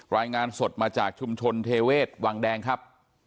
รายงานสดมาจากชุมชนเทเวศวังแดงครับ